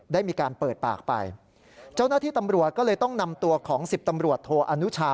ได้มีการเปิดปากไปเจ้าหน้าที่ตำรวจก็เลยต้องนำตัวของสิบตำรวจโทอนุชา